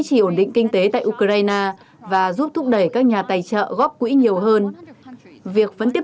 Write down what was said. trì ổn định kinh tế tại ukraine và giúp thúc đẩy các nhà tài trợ góp quỹ nhiều hơn việc vẫn tiếp